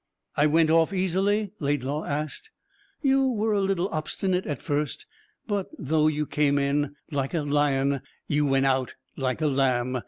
"I went off easily?" Laidlaw asked. "You were a little obstinate at first. But though you came in like a lion, you went out like a lamb.